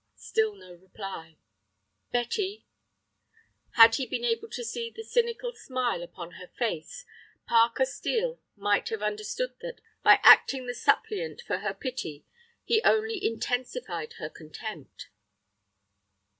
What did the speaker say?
Still no reply. "Betty." Had he been able to see the cynical smile upon her face, Parker Steel might have understood that by acting the suppliant for her pity he only intensified her contempt.